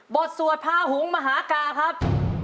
สวดพาหุงมหากาครับ